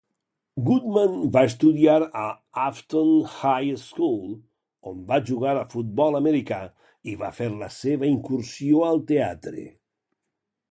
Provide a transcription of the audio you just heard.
Goodman va estudiar a Affton High School, on va jugar a futbol americà i va fer la seva incursió al teatre.